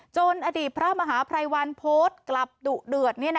อดีตพระมหาภัยวันโพสต์กลับดุเดือด